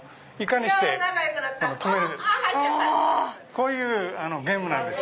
こういうゲームなんです。